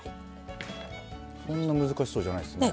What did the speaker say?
そんな難しそうじゃないですね。